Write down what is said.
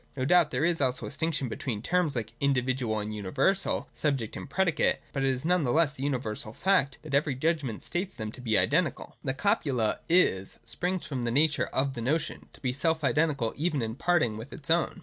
No doubt there is also a distinction between terms like individual and universal, subject and predicate : but it is none the less the universal fact, that every judgment states them to be identical. The copula 'is ' springs from the nature of the notion, to be self identical even in parting with its ovwi.